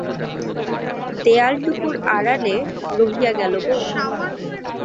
দেয়ালটুকুর আড়ালে রহিয়া গেল গো।